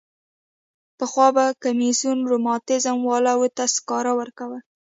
پخوا به کمیسیون رماتیزم والاوو ته سکاره ورکول.